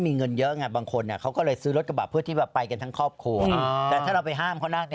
มันกระทบชีวิตคน